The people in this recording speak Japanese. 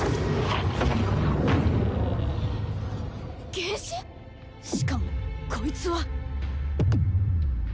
原種⁉しかもこいつは。